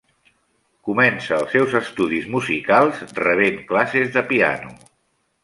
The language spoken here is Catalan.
Comença els seus estudis musicals rebent classes de piano.